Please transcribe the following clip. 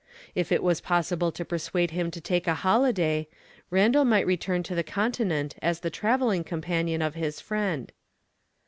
If it was possible to persuade him to take a holiday, Randal might return to the Continent as the traveling companion of his friend.